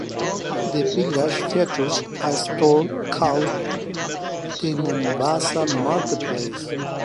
The village features a store called the "Mombasa Marketplace".